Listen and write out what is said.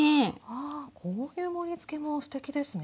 あこういう盛りつけもすてきですね。